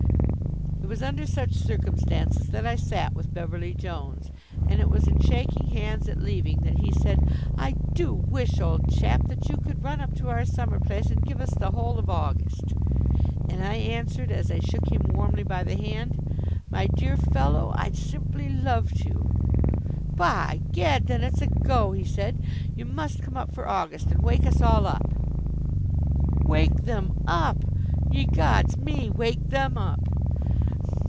It was under such circumstances that I sat with Beverly Jones. And it was in shaking hands at leaving that he said: "I do wish, old chap, that you could run up to our summer place and give us the whole of August!" and I answered, as I shook him warmly by the hand: "My dear fellow, I'd simply love to!" "By gad, then it's a go!" he said. "You must come up for August, and wake us all up!" Wake them up! Ye gods! Me wake them up!